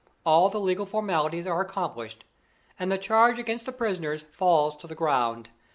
All the legal formalities are accomplished, and the charge against the prisoners falls to the ground.